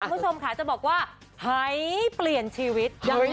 คุณผู้ชมค่ะจะบอกว่าหายเปลี่ยนชีวิต